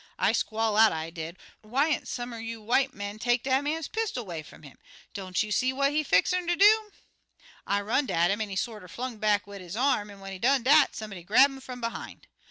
I squall out, I did, 'Whyn't some er you white men take dat man pistol 'way fum 'im? Don't you see what he fixin' ter do?' "I run'd at 'im, an' he sorter flung back wid his arm, an' when he done dat somebody grab 'im fum behind.